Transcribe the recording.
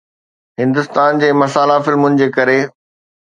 هندستان جي مسالا فلمن جي ڪري